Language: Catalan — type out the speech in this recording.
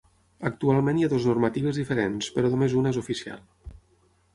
Actualment hi ha dues normatives diferents, però només una és oficial.